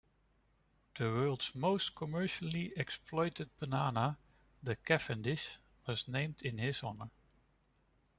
The world's most commercially exploited banana, the Cavendish, was named in his honour.